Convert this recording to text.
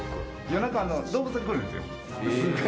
夜中、動物が来るんですよ。